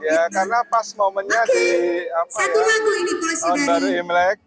ya karena pas momennya di tahun baru imlek